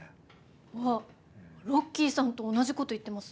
あっロッキーさんと同じこと言ってます。